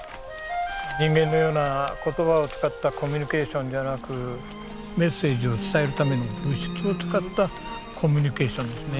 人間のような言葉を使ったコミュニケーションではなくメッセージを伝えるための物質を使ったコミュニケーションですね。